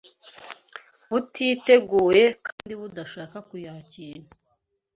butiteguye kandi budashaka kuyakira